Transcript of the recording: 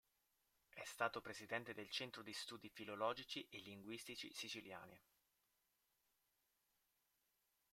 È stato presidente del Centro di studi filologici e linguistici siciliani.